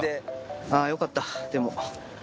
あぁよかったでも。